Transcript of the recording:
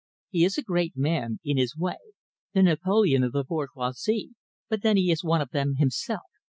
"He is a great man, in his way, the Napoleon of the bourgeoisie, but then he is one of them himself.